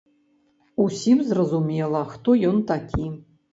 Усім зразумела, хто ён такі.